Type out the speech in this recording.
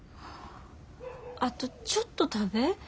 あとちょっと食べ。